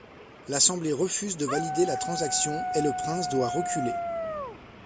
L’Assemblée refuse de valider la transaction et le prince doit reculer.